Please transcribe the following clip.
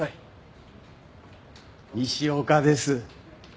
西岡です。